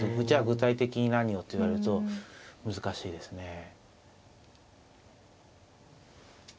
じゃあ具体的に何をって言われると難しいですね。